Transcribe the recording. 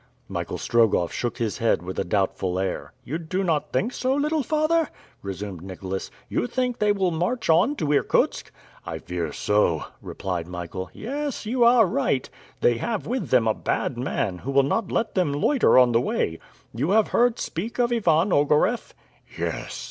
Michael Strogoff shook his head with a doubtful air. "You do not think so, little father?" resumed Nicholas. "You think that they will march on to Irkutsk?" "I fear so," replied Michael. "Yes... you are right; they have with them a bad man, who will not let them loiter on the way. You have heard speak of Ivan Ogareff?" "Yes."